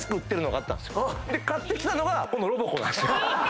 で買ってきたのがこのロボコなんですよ。